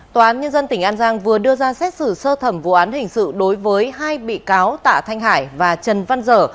tòa án nhân dân tỉnh an giang vừa đưa ra xét xử sơ thẩm vụ án hình sự đối với hai bị cáo tạ thanh hải và trần văn dở